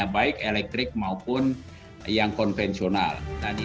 baik elektrik maupun yang konvensional